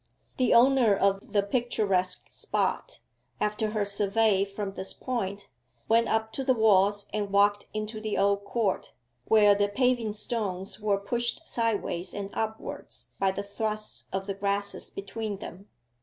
The owner of the picturesque spot, after her survey from this point, went up to the walls and walked into the old court, where the paving stones were pushed sideways and upwards by the thrust of the grasses between them.